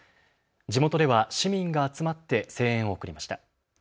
地元では市民が集まって声援を送りました。